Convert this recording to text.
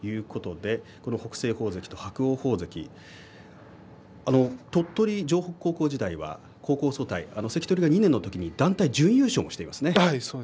北青鵬関と伯桜鵬関鳥取城北高校時代は関取が２年の時に高校総体団体準優勝していますね。